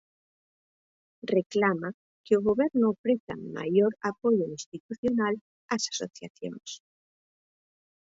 Reclama que o Goberno ofreza maior apoio institucional ás asociacións.